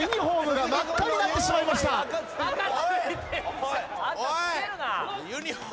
おい！